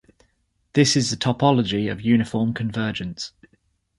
This is the topology of uniform convergence.